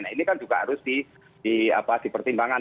nah ini kan juga harus dipertimbangkan